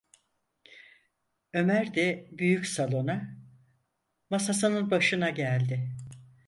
Ömer de büyük salona, masasının başına geldi.